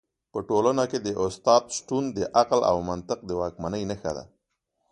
په ټولنه کي د استاد شتون د عقل او منطق د واکمنۍ نښه ده.